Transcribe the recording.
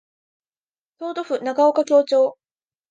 京都府長岡京市